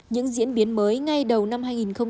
những diễn biến mới ngay đầu năm hai nghìn hai mươi